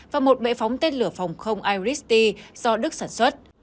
và một bệ phóng tên lửa phòng không iris t do đức sản xuất